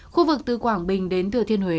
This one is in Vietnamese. khu vực từ quảng bình đến thừa thiên huế